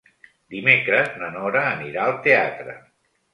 Dimecres na Nora anirà al teatre.